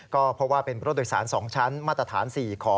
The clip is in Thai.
ก็เพราะว่าเป็นรถโดยสาร๒ชั้นมาตรฐาน๔ขอ